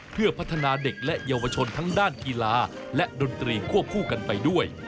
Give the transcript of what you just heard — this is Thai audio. เพื่อพัฒนาเด็กและเยาวชนทั้งด้านกีฬาและดนตรีควบคู่กันไปด้วย